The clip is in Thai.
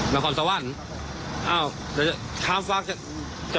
มีทางฟังมา